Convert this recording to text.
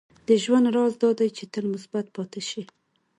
• د ژوند راز دا دی چې تل مثبت پاتې شې.